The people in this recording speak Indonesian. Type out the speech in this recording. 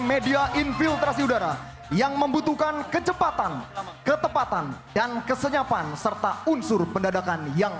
media infiltrasi udara yang membutuhkan kecepatan ketepatan dan kesenyapan serta unsur pendadakan yang